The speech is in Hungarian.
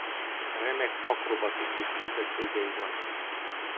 Remek akrobatikus képességei vannak.